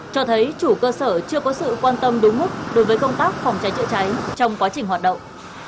cho thấy chủ cơ sở chưa có sự quan tâm đúng mức đối với công tác phòng cháy chữa cháy trong quá trình hoạt động